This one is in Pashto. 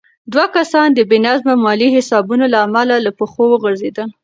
دوه کسان د بې نظمه مالي حسابونو له امله له پښو وغورځېدل.